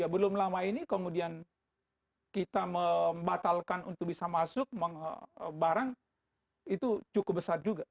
belum lama ini kemudian kita membatalkan untuk bisa masuk barang itu cukup besar juga